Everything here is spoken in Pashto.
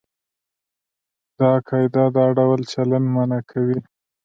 دا قاعده دا ډول چلند منع کوي.